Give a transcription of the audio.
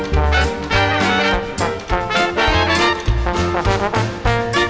โปรดติดตามต่อไป